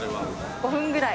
５分ぐらい。